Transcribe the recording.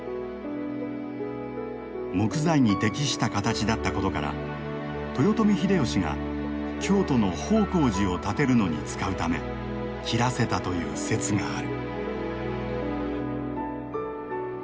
木材に適した形だったことから豊臣秀吉が京都の方広寺を建てるのに使うため切らせたという説がある。